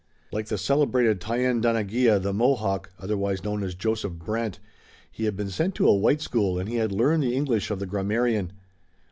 Like the celebrated Thayendanegea, the Mohawk, otherwise known as Joseph Brant, he had been sent to a white school and he had learned the English of the grammarian.